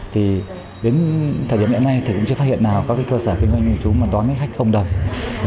thì đến thời điểm hiện nay thì cũng chưa phát hiện nào các cơ sở kinh doanh của điêu chú mà đón khách không đồng